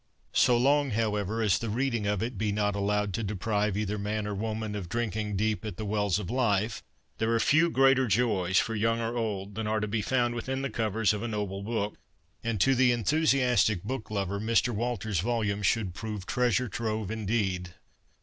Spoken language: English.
So long, however, as the reading of it be not allowed to deprive either man or woman of drinking deep at the wells of life, there are few greater joys, for young or old, than are to be found within the covers of a noble book ; and to the enthusiastic book lover, Mr. Walters's volume should prove treasure trove indeed.